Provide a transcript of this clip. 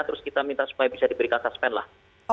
terus kita minta supaya bisa diberikan suspend lah